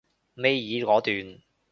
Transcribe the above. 尾二嗰段